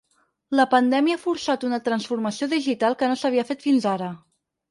La pandèmia ha forçat una transformació digital que no s’havia fet fins ara.